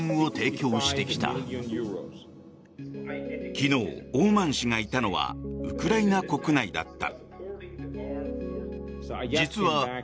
昨日、オーマン氏がいたのはウクライナ国内だった。